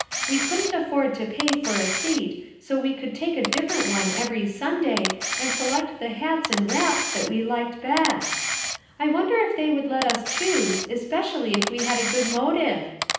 We couldn't afford to pay for a seat, so we could take a different one every Sunday, and select the hats and wraps that we liked best. I won der if they would let us choose, especially if we had a good motive.